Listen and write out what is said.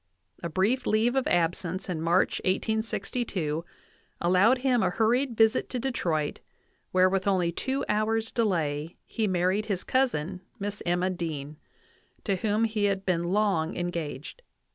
A brief leave of absence in March, 1862, allowed him a hurried visit to Detroit, where with only two hours' delay he married his cousin, Miss Emma Dean, to whom he had been long en gaged.